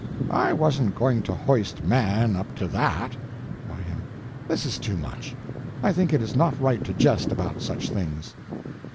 I wasn't going to hoist man up to that. Y.M. This is too much! I think it is not right to jest about such things.